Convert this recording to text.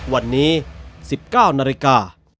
วันนี้๑๙นาฬิกา